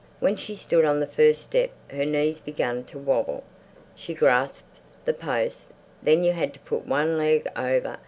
When she stood on the first step her knees began to wobble; she grasped the post. Then you had to put one leg over.